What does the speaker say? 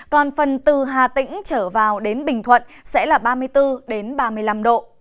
còn phần từ hà tĩnh trở vào đến bình thuận sẽ là ba mươi bốn ba mươi năm độ